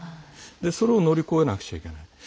それを乗り越えなくちゃいけない。